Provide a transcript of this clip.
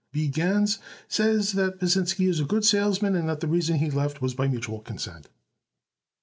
"B. Gans says that Pasinsky is a good salesman and that the reason he left was by mutual consent."